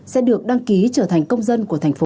sẽ được đăng ký trở thành công dân của thành phố